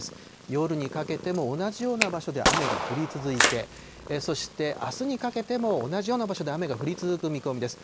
夜にかけても同じような場所で雨が降り続いて、そしてあすにかけても同じような場所で雨が降り続く見込みです。